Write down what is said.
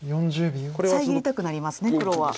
遮りたくなりますね黒は。